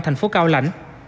thành phố cao lãnh